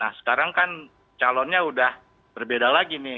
nah sekarang kan calonnya sudah berbeda lagi nih